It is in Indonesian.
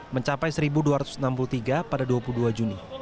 mencapai satu dua ratus enam puluh tiga pada dua puluh dua juni